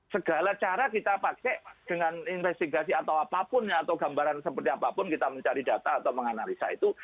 segala cara kita pakai dengan investigasi atau apapun atau gambaran seperti apapun kita mencari data atau menganalisa itu